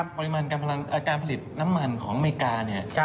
ปริมาณการผลิตน้ำมันของอเมริกา